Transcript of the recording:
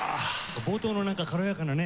冒頭の軽やかなね